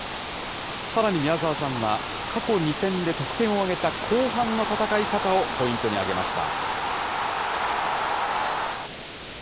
さらに宮澤さんは、過去２戦で得点を挙げた後半の戦い方をポイントに挙げました。